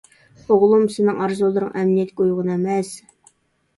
-ئوغلۇم سېنىڭ ئارزۇلىرىڭ ئەمەلىيەتكە ئۇيغۇن ئەمەس.